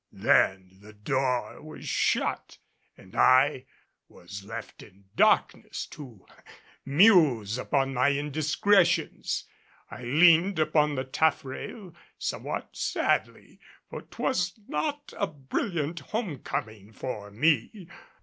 Then the door was shut and I was left in darkness to muse upon my indiscretions. I leaned upon the taffrail somewhat sadly, for 'twas not a brilliant home coming for me.